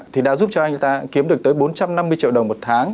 thì đã giúp cho anh ta kiếm được tới bốn trăm năm mươi triệu đồng một tháng